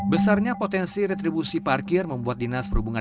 besarnya potensi retribusi parkir membuat dinas perhubungan